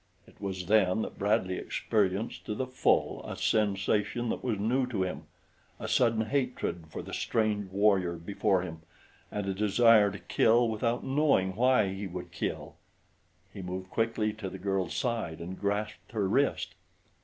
It was then that Bradley experienced to the full a sensation that was new to him a sudden hatred for the strange warrior before him and a desire to kill without knowing why he would kill. He moved quickly to the girl's side and grasped her wrist.